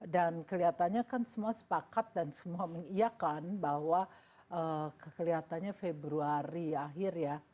dan kelihatannya kan semua sepakat dan semua mengiakan bahwa kelihatannya februari akhir ya